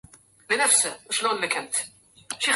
كم رأيناك ولم تشعر بنا